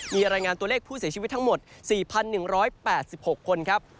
มีรายงานตัวเลขผู้เสียชีวิตทั้งหมด๔๑๘๖คนครับ